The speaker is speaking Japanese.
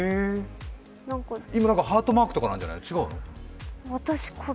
今ハートマークとかなんじゃない違うの？